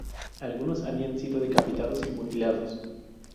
Algunos habían sido decapitados y mutilados.